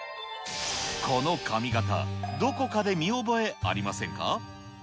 この髪形、どこかで見覚えありませんか？